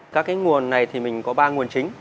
các cái nguồn này thì mình có ba nguồn chính